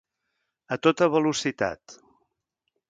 A tota velocitat.